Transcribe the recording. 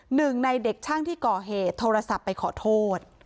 หนึ่งในเด็กช่างที่ก่อเหตุโทรศัพท์ไปขอโทษ